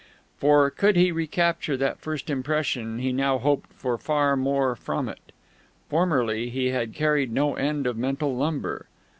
For, could he recapture that first impression, he now hoped for far more from it. Formerly, he had carried no end of mental lumber.